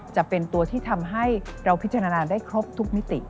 จะเป็นตัวที่ทำให้เราพิจารณาได้ครบทุกมิติ